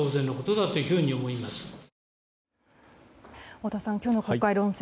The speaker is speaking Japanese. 太田さん、今日の国会論戦